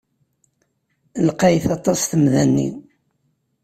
Lqayet aṭas temda-nni.